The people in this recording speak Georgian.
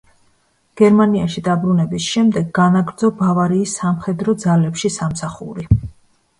გერმანიაში დაბრუნების შემდეგ განაგრძო ბავარიის სამხედრო ძალებში სამსახური.